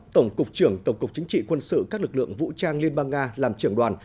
tổng cục trưởng tổng cục chính trị quân sự các lực lượng vũ trang liên bang nga làm trưởng đoàn